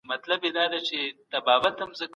د ظرفيتونو اغېزو ته پوره پام وکړئ.